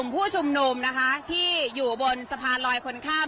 ผู้ชุมนุมนะคะที่อยู่บนสะพานลอยคนข้าม